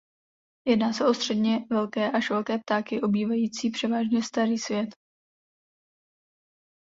Jedná se o středně velké až velké ptáky obývající převážně Starý svět.